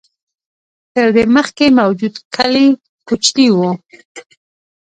تر دې مخکې موجود کلي کوچني و.